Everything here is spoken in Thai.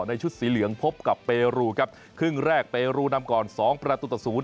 ชุดสีเหลืองพบกับเปรูครับครึ่งแรกเปรูนำก่อนสองประตูต่อศูนย